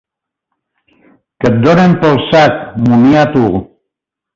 Que et donen pel sac, moniato!